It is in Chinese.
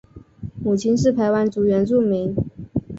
母亲是排湾族原住民。